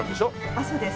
あっそうです。